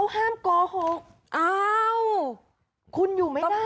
ทำไม